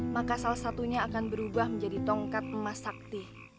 maka salah satunya akan berubah menjadi tongkat emas sakti